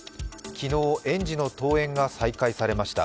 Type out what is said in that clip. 昨日、園児の登園が再開されました。